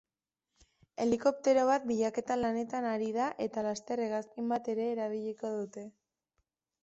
Helikoptero bat bilaketa lanetan ari da eta laster hegazkin bat ere erabiliko dute.